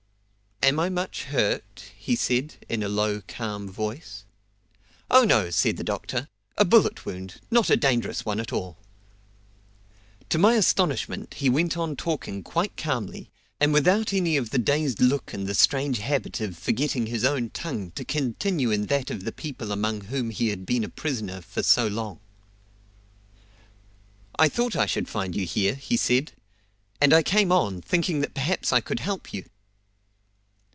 "Am I much hurt?" he said, in a low calm voice. "Oh, no!" said the doctor. "A bullet wound not a dangerous one at all." To my astonishment he went on talking quite calmly, and without any of the dazed look and the strange habit of forgetting his own tongue to continue in that of the people among whom he had been a prisoner for so long. "I thought I should find you here," he said; "and I came on, thinking that perhaps I could help you."